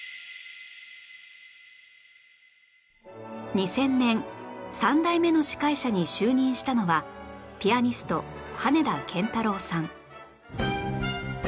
２０００年３代目の司会者に就任したのはピアニスト羽田健太郎さん